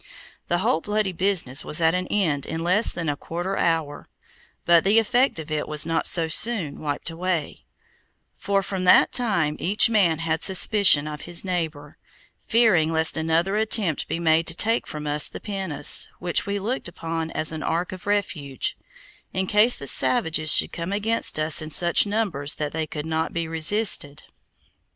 The whole bloody business was at an end in less than a quarter hour; but the effect of it was not so soon wiped away, for from that time each man had suspicion of his neighbor, fearing lest another attempt be made to take from us the pinnace, which we looked upon as an ark of refuge, in case the savages should come against us in such numbers that they could not be resisted.